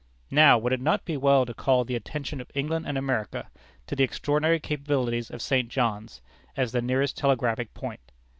Now would it not be well to call the attention of England and America to the extraordinary capabilities of St. John's, as the nearest telegraphic point?